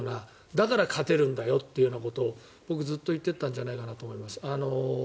だから勝てるんだよというようなことを僕はずっと言っていたんだと思います。